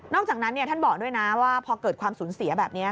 อกจากนั้นท่านบอกด้วยนะว่าพอเกิดความสูญเสียแบบนี้